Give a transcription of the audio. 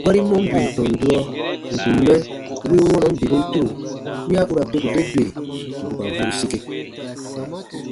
Gɔrin mɔɔn bii tɔn durɔ n kùn mɛ win wɔnɔn bibun turo wiya u ra beku te dwe bù ka goru sike.